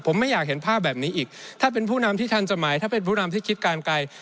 ผมไม่อยากเห็นภาพแบบนี้อีกถ้าเป็นผู้นำที่ทันสมัยถ้าเป็นผู้นำที่คิดการไกล